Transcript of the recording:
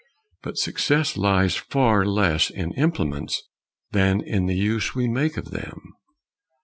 But success lies far less in implements than in the use we make of them.